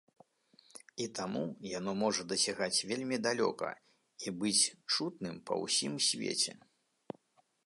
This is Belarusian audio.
І таму яно можа дасягаць вельмі далёка і быць чутным па ўсім свеце.